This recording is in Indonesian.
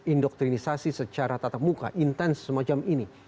indoktrinisasi secara tatap muka intens semacam ini